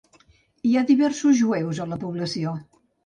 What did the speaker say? Hi ha diversos jueus a la població.